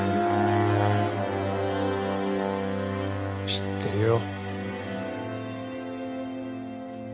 知ってるよ。